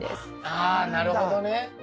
ああなるほどね。